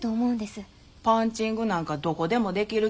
パンチングなんかどこでもできる技術とちゃうの。